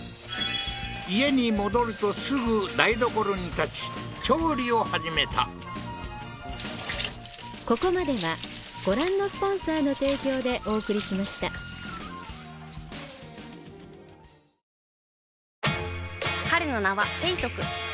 家に戻るとすぐ台所に立ち調理を始めた彼の名はペイトク